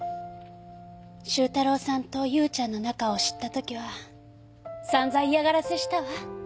周太郎さんとユウちゃんの仲を知ったときは散々嫌がらせしたわ。